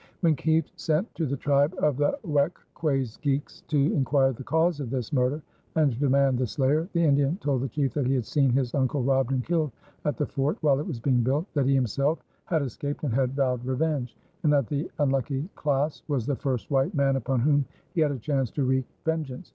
When Kieft sent to the tribe of the Weckquaesgeecks to inquire the cause of this murder and to demand the slayer, the Indian told the chief that he had seen his uncle robbed and killed at the fort while it was being built; that he himself had escaped and had vowed revenge; and that the unlucky Claes was the first white man upon whom he had a chance to wreak vengeance.